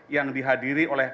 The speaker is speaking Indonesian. yang dihadiri oleh